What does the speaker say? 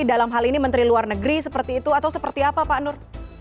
dalam hal ini menteri luar negeri seperti itu atau seperti apa pak nur